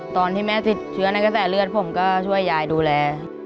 ตอนที่แม่สิทธิ์เชื้อในแก่แสดอเลือดผมก็ช่วยยายดูแล